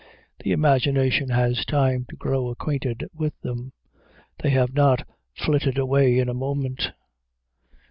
The imagination has time to grow acquainted with them; they have not flitted away in a moment.